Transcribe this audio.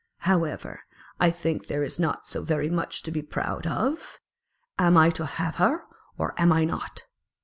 "However, I think there is not so very much to be proud of. Am I to have her, or am I not?"